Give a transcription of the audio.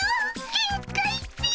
限界っピ！